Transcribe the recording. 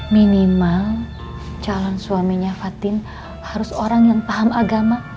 minimal calon suaminya fatin harus orang yang paham agama